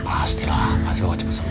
pastilah pasti bakal cepet sembuh